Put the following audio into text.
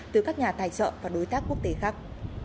từ các nhà tài trợ và đối tác quốc tế khác